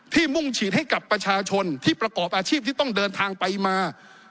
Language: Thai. มุ่งฉีดให้กับประชาชนที่ประกอบอาชีพที่ต้องเดินทางไปมา